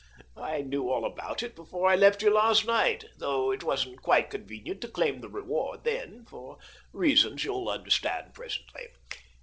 I knew all about it before I left you last night, though it wasn't quite convenient to claim the reward then, for reasons you'll understand presently.